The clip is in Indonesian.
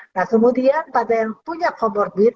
nah kemudian pada yang punya comorbid